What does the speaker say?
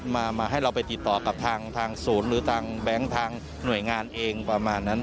มาให้เราไปติดต่อกับทางศูนย์หรือทางแบงค์ทางหน่วยงานเองประมาณนั้น